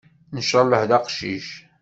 Nchallah d aqcic.